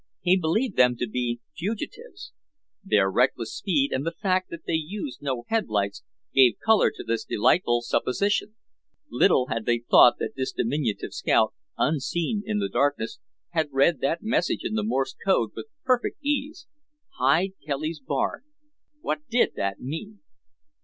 He believed them to be fugitives. Their reckless speed, and the fact that they used no headlights, gave color to this delightful supposition. Little had they thought that this diminutive scout, unseen in the darkness, had read that message in the Morse Code with perfect ease. Hide Kelly's Barn. What did that mean?